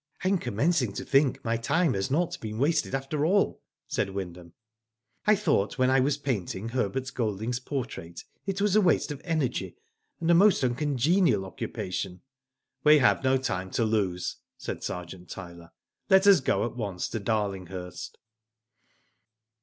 " I am commencing to think my time has not been wasted after all," said Wyndham. " I thought when I was painting Herbert Golding's portrait it was a waste of energy, and a most uncongenial occupation." "We have no time to lose," said Sergeant Tyler. "Let us go at once to Darlinghurst."